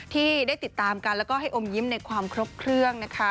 ที่ได้ติดตามกันแล้วก็ให้อมยิ้มในความครบเครื่องนะคะ